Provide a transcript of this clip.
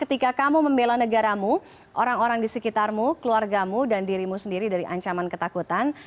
ketika kamu membela negaramu orang orang di sekitarmu keluargamu dan dirimu sendiri dari ancaman ketakutan